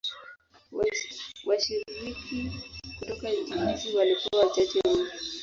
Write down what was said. Washiriki kutoka nchi hizi walikuwa wachache mno.